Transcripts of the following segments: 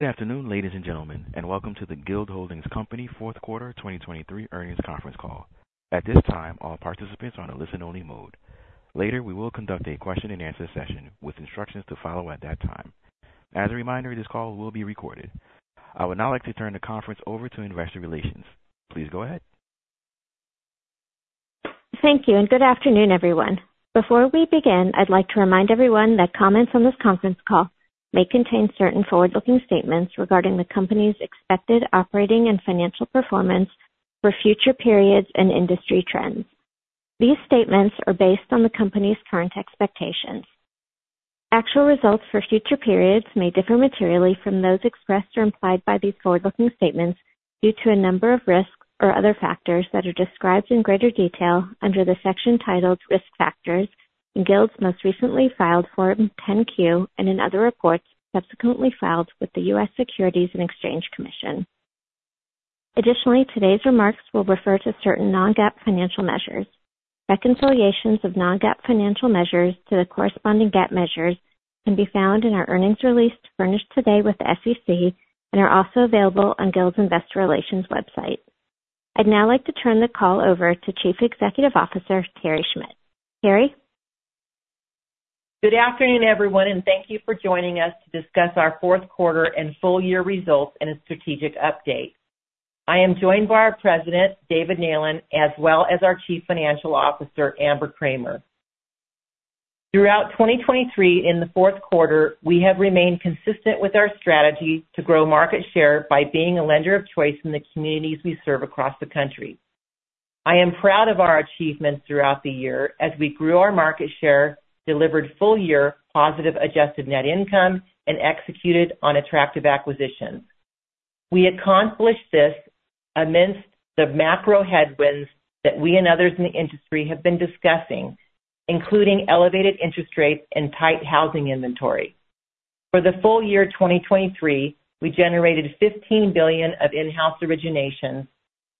Good afternoon, ladies and gentlemen, and welcome to the Guild Holdings Company Q4 2023 Earnings Conference Call. At this time, all participants are on a listen-only mode. Later, we will conduct a question-and-answer session with instructions to follow at that time. As a reminder, this call will be recorded. I would now like to turn the conference over to Investor Relations. Please go ahead. Thank you, and good afternoon, everyone. Before we begin, I'd like to remind everyone that comments on this conference call may contain certain forward-looking statements regarding the company's expected operating and financial performance for future periods and industry trends. These statements are based on the company's current expectations. Actual results for future periods may differ materially from those expressed or implied by these forward-looking statements due to a number of risks or other factors that are described in greater detail under the section titled Risk Factors in Guild's most recently filed Form 10-Q and in other reports subsequently filed with the U.S. Securities and Exchange Commission. Additionally, today's remarks will refer to certain non-GAAP financial measures. Reconciliations of non-GAAP financial measures to the corresponding GAAP measures can be found in our earnings release furnished today with the SEC and are also available on Guild's Investor Relations website. I'd now like to turn the call over to Chief Executive Officer Terry Schmidt. Terry? Good afternoon, everyone, and thank you for joining us to discuss our Q4 and full-year results and a strategic update. I am joined by our President, David Neylan, as well as our Chief Financial Officer, Amber Kramer. Throughout 2023 in the Q4, we have remained consistent with our strategy to grow market share by being a lender of choice in the communities we serve across the country. I am proud of our achievements throughout the year as we grew our market share, delivered full-year positive adjusted net income, and executed on attractive acquisitions. We accomplished this amidst the macro headwinds that we and others in the industry have been discussing, including elevated interest rates and tight housing inventory. For the full year 2023, we generated $15 billion of in-house originations,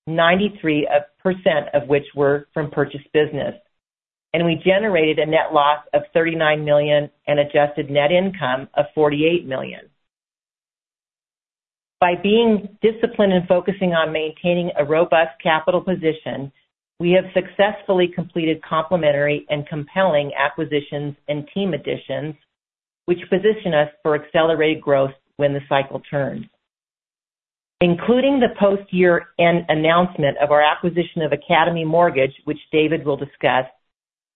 93% of which were from purchase business, and we generated a net loss of $39 million and adjusted net income of $48 million. By being disciplined and focusing on maintaining a robust capital position, we have successfully completed complementary and compelling acquisitions and team additions, which position us for accelerated growth when the cycle turns. Including the post-year announcement of our acquisition of Academy Mortgage, which David will discuss,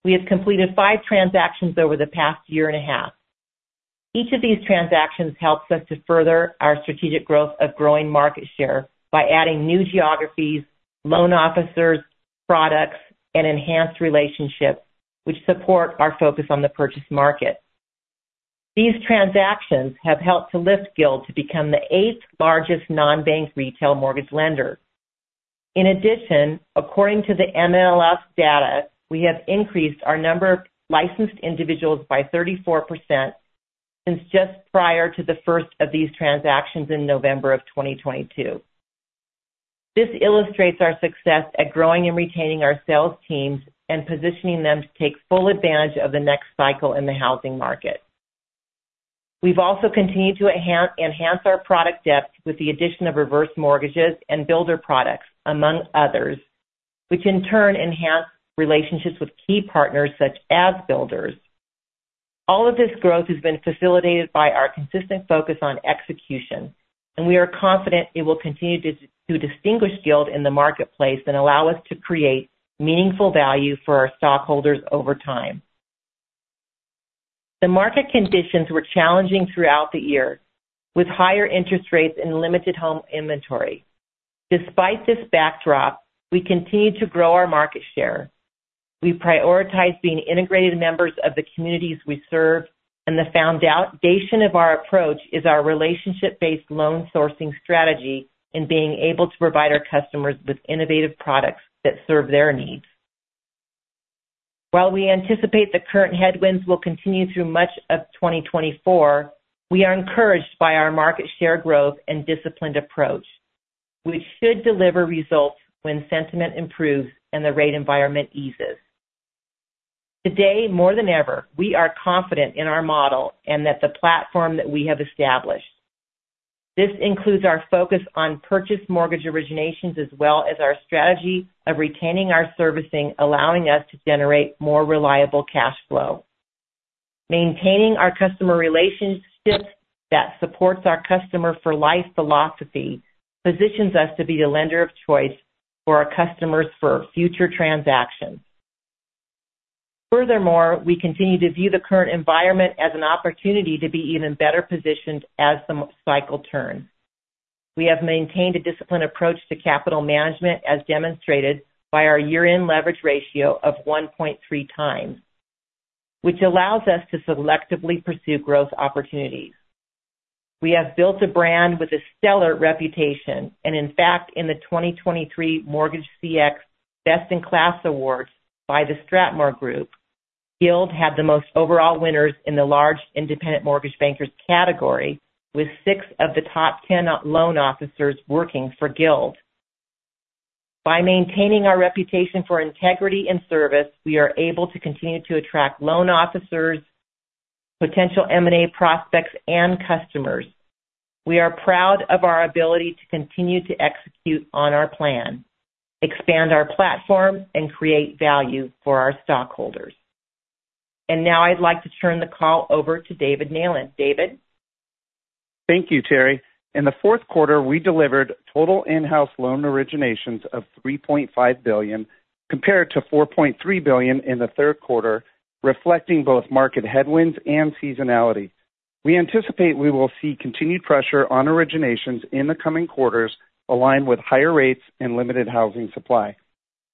we have completed five transactions over the past year and a half. Each of these transactions helps us to further our strategic growth of growing market share by adding new geographies, loan officers, products, and enhanced relationships, which support our focus on the purchase market. These transactions have helped to lift Guild to become the eighth largest non-bank retail mortgage lender. In addition, according to the MLS data, we have increased our number of licensed individuals by 34% since just prior to the first of these transactions in November of 2022. This illustrates our success at growing and retaining our sales teams and positioning them to take full advantage of the next cycle in the housing market. We've also continued to enhance our product depth with the addition of reverse mortgages and builder products, among others, which in turn enhance relationships with key partners such as builders. All of this growth has been facilitated by our consistent focus on execution, and we are confident it will continue to distinguish Guild in the marketplace and allow us to create meaningful value for our stockholders over time. The market conditions were challenging throughout the year with higher interest rates and limited home inventory. Despite this backdrop, we continue to grow our market share. We prioritize being integrated members of the communities we serve, and the foundation of our approach is our relationship-based loan sourcing strategy and being able to provide our customers with innovative products that serve their needs. While we anticipate the current headwinds will continue through much of 2024, we are encouraged by our market share growth and disciplined approach, which should deliver results when sentiment improves and the rate environment eases. Today, more than ever, we are confident in our model and that the platform that we have established. This includes our focus on purchase mortgage originations as well as our strategy of retaining our servicing, allowing us to generate more reliable cash flow. Maintaining our customer relationship, that supports our customer-for-life philosophy, positions us to be the lender of choice for our customers for future transactions. Furthermore, we continue to view the current environment as an opportunity to be even better positioned as the cycle turns. We have maintained a disciplined approach to capital management, as demonstrated by our year-end leverage ratio of 1.3x, which allows us to selectively pursue growth opportunities. We have built a brand with a stellar reputation, and in fact, in the 2023 MortgageCX Best in Class Awards by the STRATMOR Group, Guild had the most overall winners in the large independent mortgage bankers category, with six of the top 10 loan officers working for Guild. By maintaining our reputation for integrity and service, we are able to continue to attract loan officers, potential M&A prospects, and customers. We are proud of our ability to continue to execute on our plan, expand our platform, and create value for our stockholders. Now I'd like to turn the call over to David Neylan. David? Thank you, Terry. In the Q4, we delivered total in-house loan originations of $3.5 billion compared to $4.3 billion in the Q3, reflecting both market headwinds and seasonality. We anticipate we will see continued pressure on originations in the coming quarters aligned with higher rates and limited housing supply.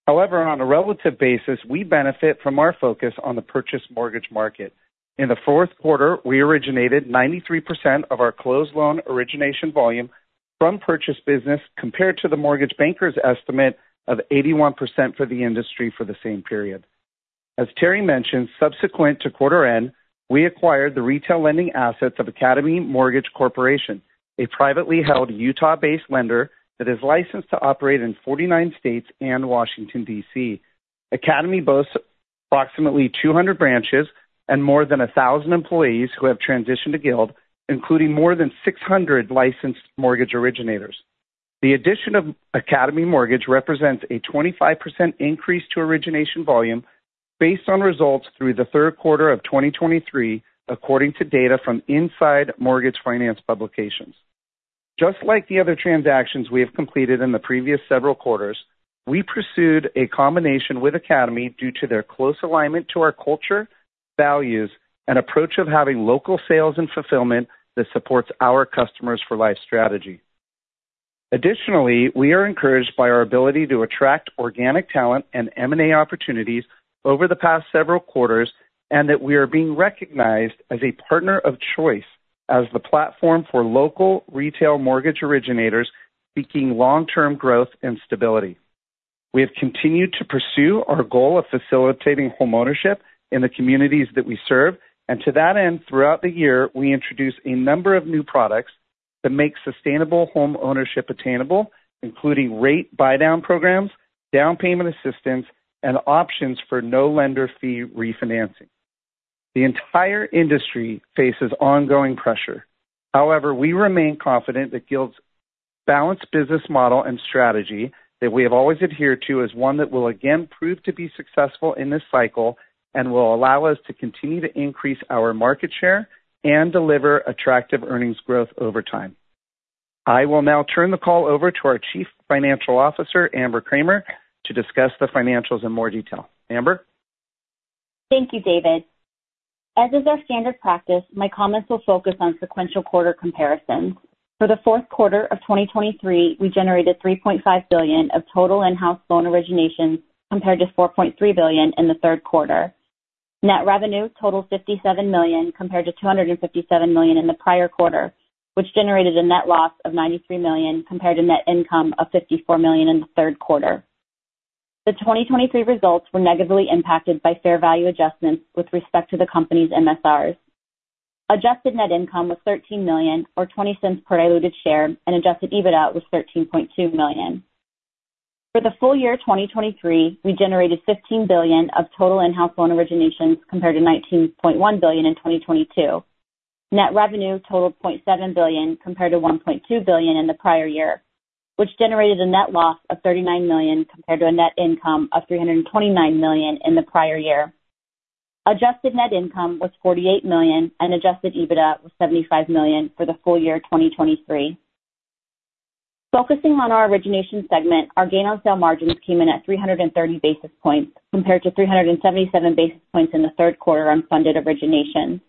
However, on a relative basis, we benefit from our focus on the purchase mortgage market. In the Q4, we originated 93% of our closed loan origination volume from purchase business compared to the mortgage bankers' estimate of 81% for the industry for the same period. As Terry mentioned, subsequent to quarter end, we acquired the retail lending assets of Academy Mortgage Corporation, a privately held Utah-based lender that is licensed to operate in 49 states and Washington, D.C. Academy boasts approximately 200 branches and more than 1,000 employees who have transitioned to Guild, including more than 600 licensed mortgage originators. The addition of Academy Mortgage represents a 25% increase to origination volume based on results through the Q3 of 2023, according to data from Inside Mortgage Finance publications. Just like the other transactions we have completed in the previous several quarters, we pursued a combination with Academy due to their close alignment to our culture, values, and approach of having local sales and fulfillment that supports our customers-for-life strategy. Additionally, we are encouraged by our ability to attract organic talent and M&A opportunities over the past several quarters and that we are being recognized as a partner of choice as the platform for local retail mortgage originators seeking long-term growth and stability. We have continued to pursue our goal of facilitating homeownership in the communities that we serve, and to that end, throughout the year, we introduce a number of new products that make sustainable homeownership attainable, including rate buydown programs, down payment assistance, and options for no lender fee refinancing. The entire industry faces ongoing pressure. However, we remain confident that Guild's balanced business model and strategy that we have always adhered to is one that will again prove to be successful in this cycle and will allow us to continue to increase our market share and deliver attractive earnings growth over time. I will now turn the call over to our Chief Financial Officer, Amber Kramer, to discuss the financials in more detail. Amber? Thank you, David. As is our standard practice, my comments will focus on sequential quarter comparisons. For the Q4 of 2023, we generated $3.5 billion of total in-house loan originations compared to $4.3 billion in the Q3. Net revenue totaled $57 million compared to $257 million in the prior quarter, which generated a net loss of $93 million compared to net income of $54 million in the Q3. The 2023 results were negatively impacted by fair value adjustments with respect to the company's MSRs. Adjusted net income was $13 million or $0.20 per diluted share, and Adjusted EBITDA was $13.2 million. For the full year 2023, we generated $15 billion of total in-house loan originations compared to $19.1 billion in 2022. Net revenue totaled $0.7 billion compared to $1.2 billion in the prior year, which generated a net loss of $39 million compared to a net income of $329 million in the prior year. Adjusted net income was $48 million, and adjusted EBITDA was $75 million for the full year 2023. Focusing on our origination segment, our gain-on-sale margins came in at 330 basis points compared to 377 basis points in the Q3 on funded originations.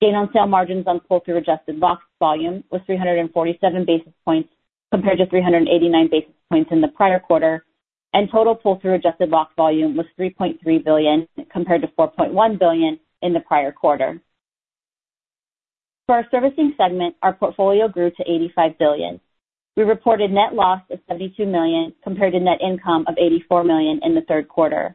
Gain-on-sale margins on pull-through adjusted locked volume was 347 basis points compared to 389 basis points in the prior quarter, and total pull-through adjusted locked volume was $3.3 billion compared to $4.1 billion in the prior quarter. For our servicing segment, our portfolio grew to $85 billion. We reported net loss of $72 million compared to net income of $84 million in the Q3.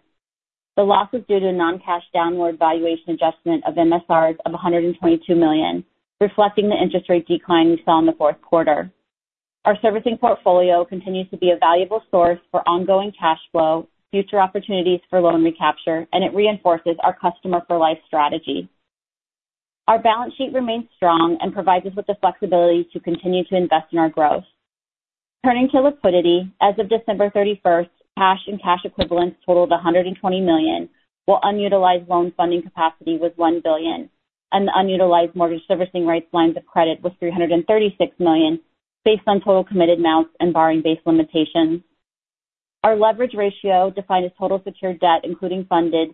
The loss was due to a non-cash downward valuation adjustment of MSRs of $122 million, reflecting the interest rate decline we saw in the Q4. Our servicing portfolio continues to be a valuable source for ongoing cash flow, future opportunities for loan recapture, and it reinforces our customer-for-life strategy. Our balance sheet remains strong and provides us with the flexibility to continue to invest in our growth. Turning to liquidity, as of December 31st, cash and cash equivalents totaled $120 million, while unutilized loan funding capacity was $1 billion, and the unutilized mortgage servicing rights lines of credit was $336 million based on total committed amounts and borrowing base limitations. Our leverage ratio, defined as total secured debt including fundings,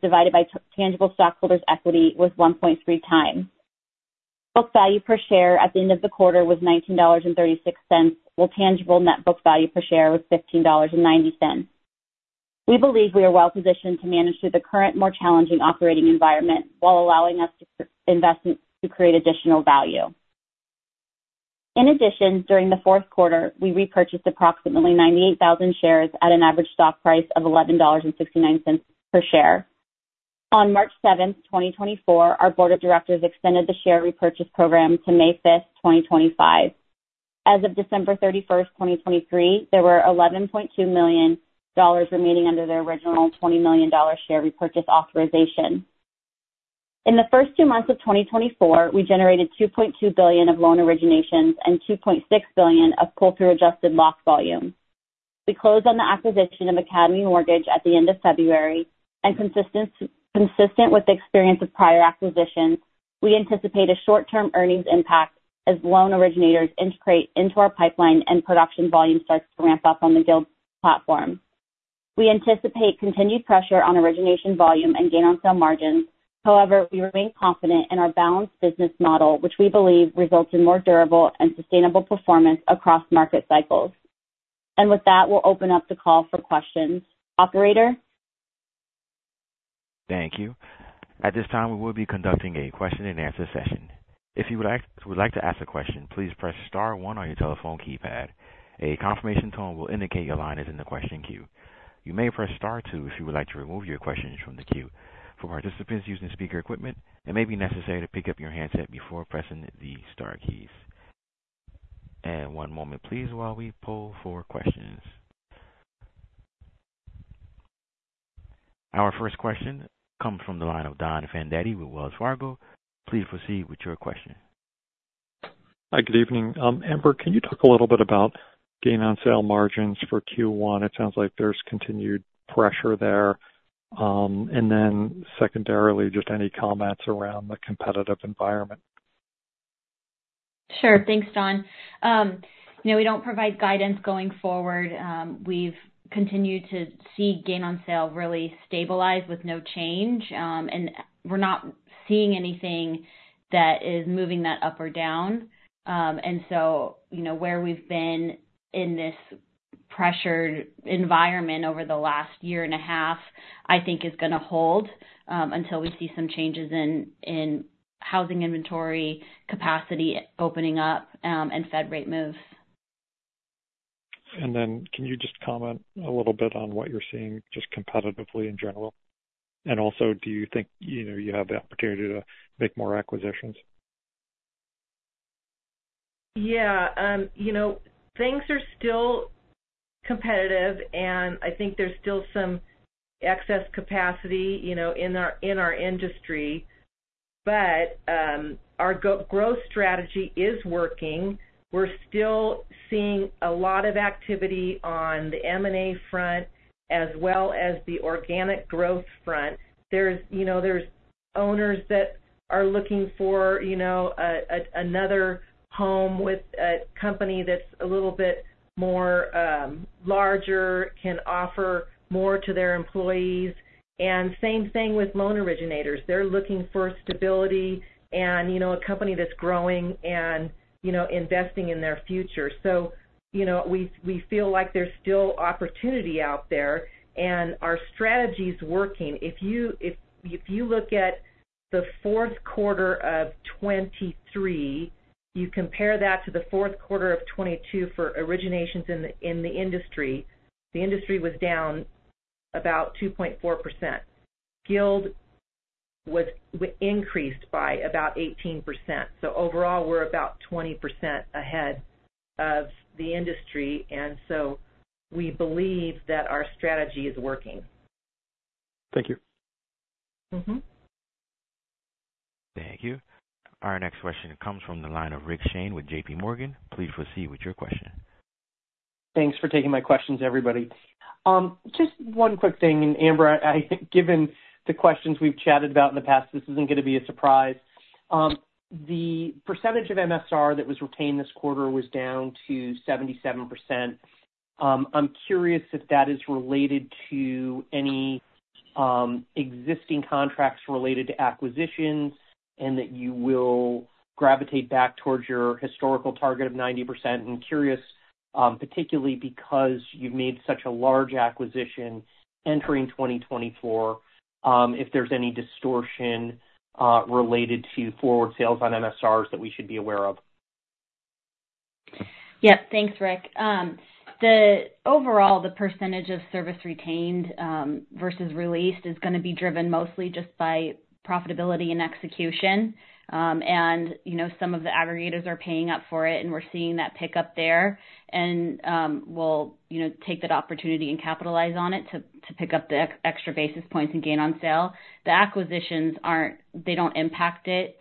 divided by tangible stockholders' equity, was 1.3x. Book value per share at the end of the quarter was $19.36, while tangible net book value per share was $15.90. We believe we are well positioned to manage through the current more challenging operating environment while allowing us to create additional value. In addition, during the Q4, we repurchased approximately 98,000 shares at an average stock price of $11.69 per share. On March 7th, 2024, our board of directors extended the share repurchase program to May 5th, 2025. As of December 31st, 2023, there were $11.2 million remaining under the original $20 million share repurchase authorization. In the first two months of 2024, we generated $2.2 billion of loan originations and $2.6 billion of pull-through adjusted locked volume. We closed on the acquisition of Academy Mortgage at the end of February, and consistent with the experience of prior acquisitions, we anticipate a short-term earnings impact as loan originators integrate into our pipeline and production volume starts to ramp up on the Guild platform. We anticipate continued pressure on origination volume and gain-on-sale margins. However, we remain confident in our balanced business model, which we believe results in more durable and sustainable performance across market cycles. With that, we'll open up the call for questions. Operator? Thank you. At this time, we will be conducting a question-and-answer session. If you would like to ask a question, please press star one on your telephone keypad. A confirmation tone will indicate your line is in the question queue. You may press star two if you would like to remove your questions from the queue. For participants using speaker equipment, it may be necessary to pick up your handset before pressing the star keys. One moment, please, while we pull for questions. Our first question comes from the line of Don Fandetti with Wells Fargo. Please proceed with your question. Hi. Good evening. Amber, can you talk a little bit about gain-on-sale margins for Q1? It sounds like there's continued pressure there. And then secondarily, just any comments around the competitive environment? Sure. Thanks, Don. We don't provide guidance going forward. We've continued to see gain-on-sale really stabilize with no change, and we're not seeing anything that is moving that up or down. And so where we've been in this pressured environment over the last year and a half, I think, is going to hold until we see some changes in housing inventory capacity opening up and Fed rate moves. Can you just comment a little bit on what you're seeing just competitively in general? Also, do you think you have the opportunity to make more acquisitions? Yeah. Things are still competitive, and I think there's still some excess capacity in our industry. But our growth strategy is working. We're still seeing a lot of activity on the M&A front as well as the organic growth front. There's owners that are looking for another home with a company that's a little bit larger, can offer more to their employees. And same thing with loan originators. They're looking for stability and a company that's growing and investing in their future. So we feel like there's still opportunity out there, and our strategy's working. If you look at the Q4 of 2023, you compare that to the Q4 of 2022 for originations in the industry, the industry was down about 2.4%. Guild increased by about 18%. So overall, we're about 20% ahead of the industry, and so we believe that our strategy is working. Thank you. Thank you. Our next question comes from the line of Rick Shane with JPMorgan. Please proceed with your question. Thanks for taking my questions, everybody. Just one quick thing. Amber, given the questions we've chatted about in the past, this isn't going to be a surprise. The percentage of MSR that was retained this quarter was down to 77%. I'm curious if that is related to any existing contracts related to acquisitions and that you will gravitate back towards your historical target of 90%. I'm curious, particularly because you've made such a large acquisition entering 2024, if there's any distortion related to forward sales on MSRs that we should be aware of. Thanks, Rick. Overall, the percentage of service retained versus released is going to be driven mostly just by profitability and execution. Some of the aggregators are paying up for it, and we're seeing that pickup there. We'll take that opportunity and capitalize on it to pick up the extra basis points and gain on sale. The acquisitions, they don't impact it.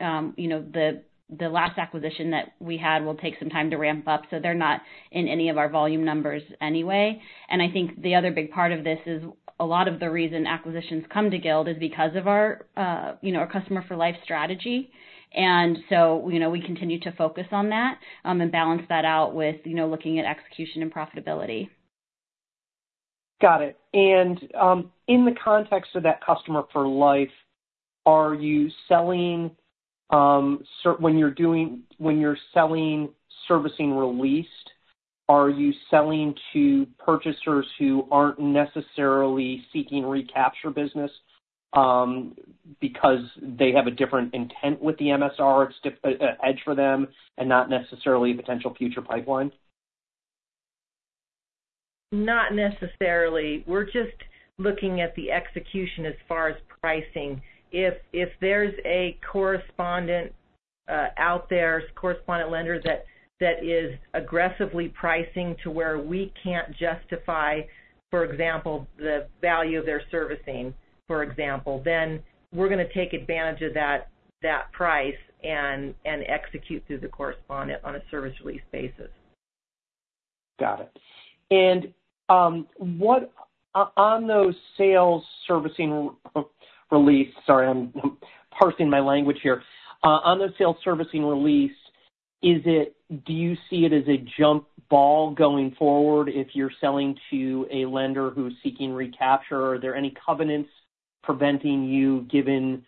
The last acquisition that we had will take some time to ramp up, so they're not in any of our volume numbers anyway. I think the other big part of this is a lot of the reason acquisitions come to Guild is because of our customer-for-life strategy. So we continue to focus on that and balance that out with looking at execution and profitability. Got it. And in the context of that customer-for-life, are you selling when you're selling service released, are you selling to purchasers who aren't necessarily seeking recapture business because they have a different intent with the MSR? It's an edge for them and not necessarily a potential future pipeline? Not necessarily. We're just looking at the execution as far as pricing. If there's a correspondent out there, correspondent lender that is aggressively pricing to where we can't justify, for example, the value of their servicing, for example, then we're going to take advantage of that price and execute through the correspondent on a service-released basis. Got it. And on those service released sales, sorry, I'm parsing my language here. On those service released sales, do you see it as a jump ball going forward if you're selling to a lender who's seeking recapture? Are there any covenants preventing you, given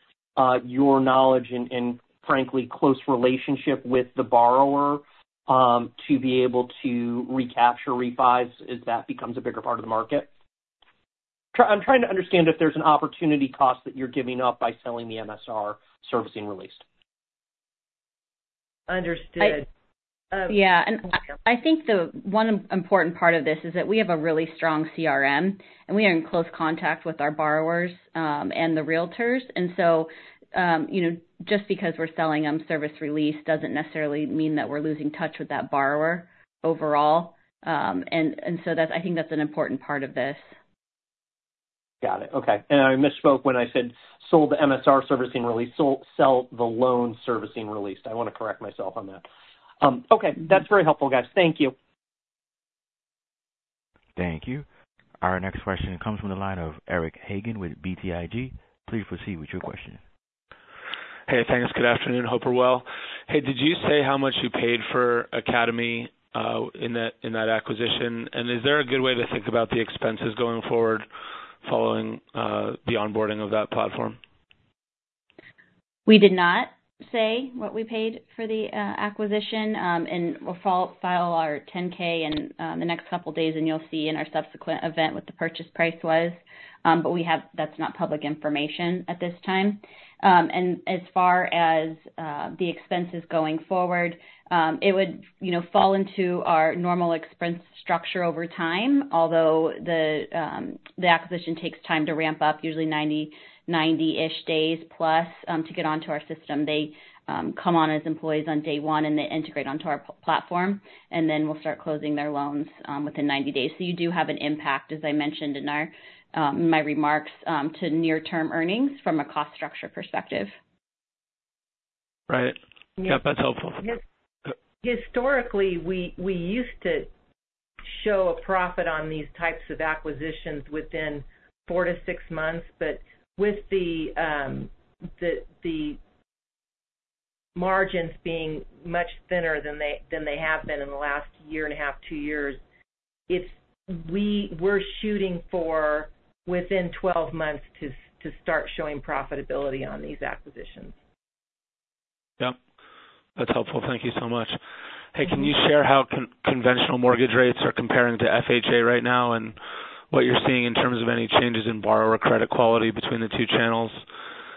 your knowledge and, frankly, close relationship with the borrower, to be able to recapture, refi as that becomes a bigger part of the market? I'm trying to understand if there's an opportunity cost that you're giving up by selling the MSR service released. Understood. Yeah. I think one important part of this is that we have a really strong CRM, and we are in close contact with our borrowers and the realtors. So just because we're selling them service released doesn't necessarily mean that we're losing touch with that borrower overall. I think that's an important part of this. Got it. Okay. I misspoke when I said sell the MSR service released, sell the loan service released. I want to correct myself on that. Okay. That's very helpful, guys. Thank you. Thank you. Our next question comes from the line of Eric Hagen with BTIG. Please proceed with your question. Hey, thanks. Good afternoon. Hope we're well. Hey, did you say how much you paid for Academy in that acquisition? And is there a good way to think about the expenses going forward following the onboarding of that platform? We did not say what we paid for the acquisition. We'll file our 10-K in the next couple of days, and you'll see in our subsequent event what the purchase price was. But that's not public information at this time. As far as the expenses going forward, it would fall into our normal expense structure over time, although the acquisition takes time to ramp up, usually 90-ish days plus to get onto our system. They come on as employees on day one, and they integrate onto our platform, and then we'll start closing their loans within 90 days. You do have an impact, as I mentioned in my remarks, to near-term earnings from a cost structure perspective. Right. Yep. That's helpful. Historically, we used to show a profit on these types of acquisitions within four to six months. But with the margins being much thinner than they have been in the last year and a half, two years, we're shooting for within 12 months to start showing profitability on these acquisitions. That's helpful. Thank you so much. Hey, can you share how conventional mortgage rates are comparing to FHA right now and what you're seeing in terms of any changes in borrower credit quality between the two channels?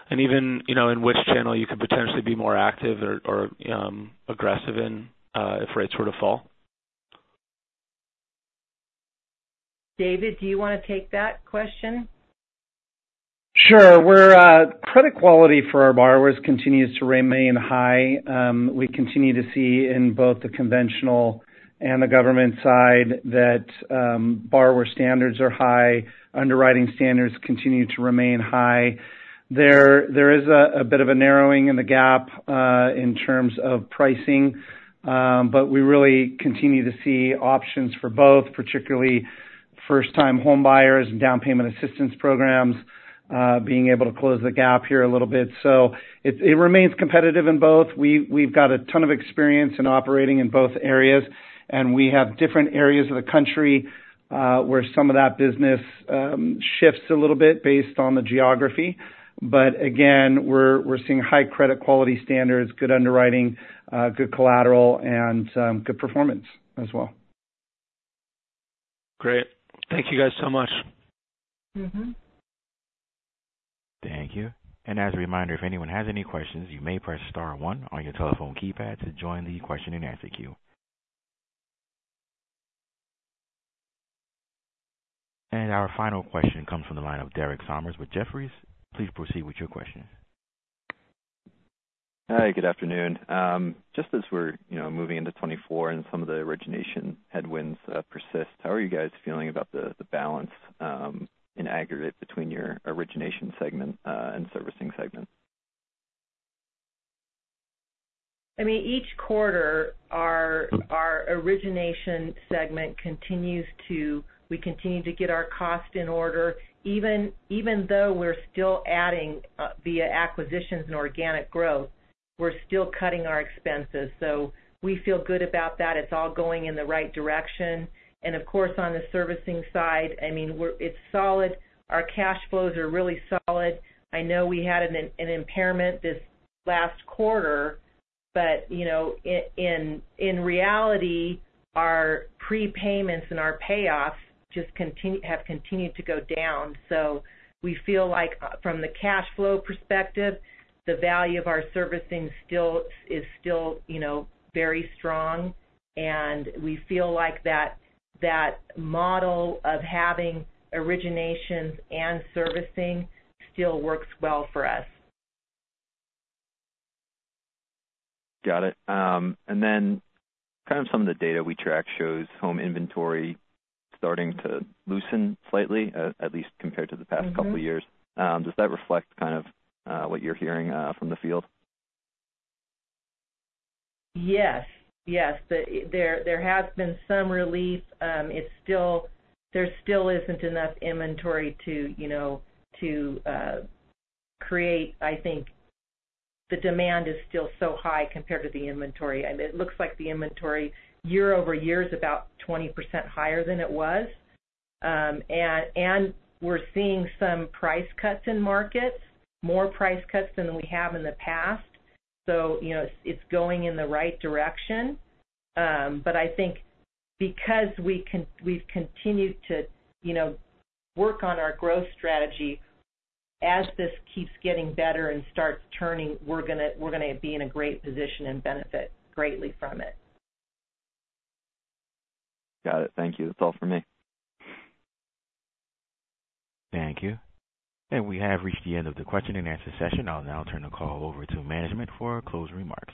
And even in which channel you could potentially be more active or aggressive in if rates were to fall? David, do you want to take that question? Sure. Credit quality for our borrowers continues to remain high. We continue to see in both the conventional and the government side that borrower standards are high, underwriting standards continue to remain high. There is a bit of a narrowing in the gap in terms of pricing, but we really continue to see options for both, particularly first-time homebuyers and down payment assistance programs being able to close the gap here a little bit. So it remains competitive in both. We've got a ton of experience in operating in both areas, and we have different areas of the country where some of that business shifts a little bit based on the geography. But again, we're seeing high credit quality standards, good underwriting, good collateral, and good performance as well. Great. Thank you guys so much. Thank you. As a reminder, if anyone has any questions, you may press star one on your telephone keypad to join the question-and-answer queue. Our final question comes from the line of Derek Sommers with Jefferies. Please proceed with your question. Hi. Good afternoon. Just as we're moving into 2024 and some of the origination headwinds persist, how are you guys feeling about the balance and aggregate between your origination segment and servicing segment? I mean, each quarter, our origination segment we continue to get our cost in order. Even though we're still adding via acquisitions and organic growth, we're still cutting our expenses. So we feel good about that. It's all going in the right direction. And of course, on the servicing side, I mean, it's solid. Our cash flows are really solid. I know we had an impairment this last quarter, but in reality, our prepayments and our payoffs have continued to go down. So we feel like, from the cash flow perspective, the value of our servicing is still very strong, and we feel like that model of having originations and servicing still works well for us. Got it. And then kind of some of the data we track shows home inventory starting to loosen slightly, at least compared to the past couple of years. Does that reflect kind of what you're hearing from the field? Yes. Yes. There has been some relief. There still isn't enough inventory to create, I think the demand is still so high compared to the inventory. I mean, it looks like the inventory year-over-year is about 20% higher than it was. And we're seeing some price cuts in markets, more price cuts than we have in the past. So it's going in the right direction. But I think because we've continued to work on our growth strategy, as this keeps getting better and starts turning, we're going to be in a great position and benefit greatly from it. Got it. Thank you. That's all from me. Thank you. We have reached the end of the question-and-answer session. I'll now turn the call over to management for closing remarks.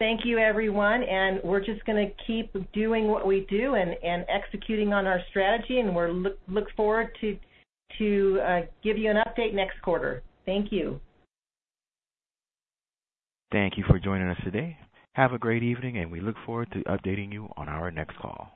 Thank you, everyone. We're just going to keep doing what we do and executing on our strategy, and we look forward to giving you an update next quarter. Thank you. Thank you for joining us today. Have a great evening, and we look forward to updating you on our next call.